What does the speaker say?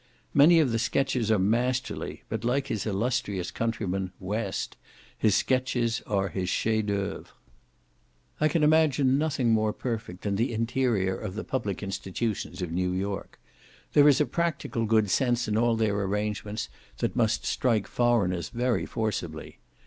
Many of the sketches are masterly; but like his illustrious countryman, West, his sketches are his chef d'oeuvres. I can imagine nothing more perfect than the interior of the public institutions of New York. There is a practical good sense in all their arrangements that must strike foreigners very forcibly.